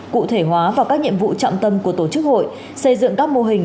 cụ thể hóa vào các nhiệm vụ trọng tâm của tổ chức hội xây dựng các mô hình